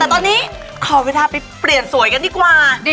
แต่ตอนนี้ขอเวลาไปเปลี่ยนสวยกันดีกว่า